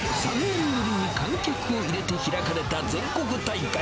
３年ぶりに観客を入れて開かれた全国大会。